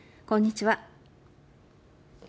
こんにちは。